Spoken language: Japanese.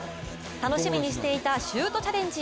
楽しみにしていたシュートチャレンジ